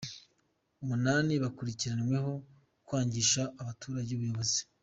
Umunani bakurikiranweho kwangisha abaturage ubuyobozi